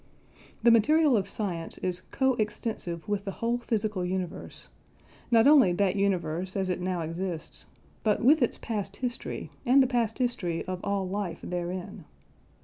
The material of science is co extensive with the whole physical universe, not only that universe as it now exists, but with its past history and the past history of all life therein.